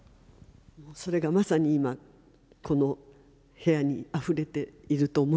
それがまさに今この部屋にあふれていると思います。